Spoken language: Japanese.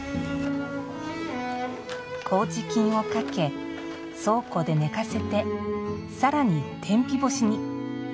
こうじ菌をかけ、倉庫で寝かせてさらに天日干しに。